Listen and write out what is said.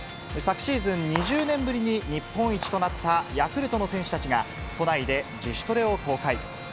昨シーズン２０年ぶりに日本一となったヤクルトの選手たちが、都内で自主トレを公開。